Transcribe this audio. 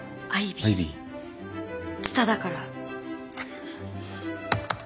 蔦だから？